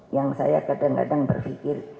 yang saya kadang kadang berpikir